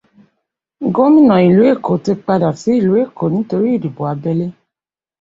Gómìnà ìlú Èkó ti padà sí ìlú Èkó nítorí ìdìbò abẹ́lé.